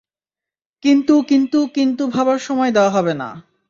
কিন্তু, কিন্তু, কিন্তু ভাবার সময় দেওয়া হবে না।